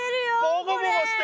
ボコボコしてる！